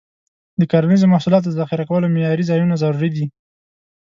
د کرنیزو محصولاتو د ذخیره کولو معیاري ځایونه ضروري دي.